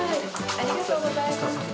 ありがとうございます。